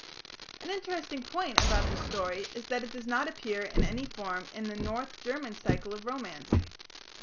An interesting point about this story is that it does not appear in any form in the North German cycle of Romance.